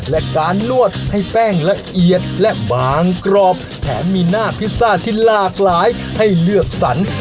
และการนวดให้แป้งละเอียดและบางกรอบแถมมีหน้าพิซซ่าที่หลากหลายให้เลือกสรร